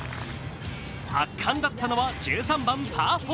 圧巻だったのは１３番パー４。